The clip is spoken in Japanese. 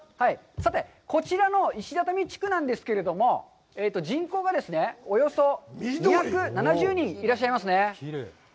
さて、こちらの石畳地区なんですけれども、人口がですね、およそ２７０人いらっしゃいますね。